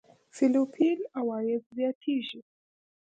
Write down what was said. فېليپين عوايد زياتېږي.